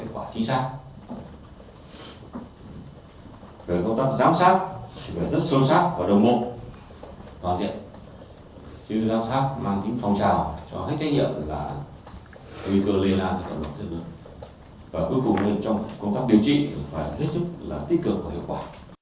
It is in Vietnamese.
khách trách nhiệm là nguy cơ lây ra thu độc dễ dàng và bi đều phải hết sức cái thì clime của thiết kế